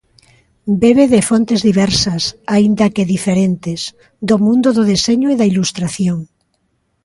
Bebe de fontes diversas, aínda que diferentes, do mundo do deseño e da ilustración.